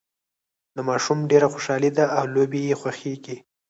دا ماشوم ډېر خوشحاله ده او لوبې یې خوښیږي